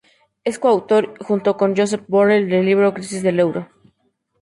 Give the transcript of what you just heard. Es coautor, junto con Josep Borrell, del libro "La crisis del euro.